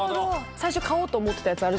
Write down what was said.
最初買おうと思ってたやつあるじゃない。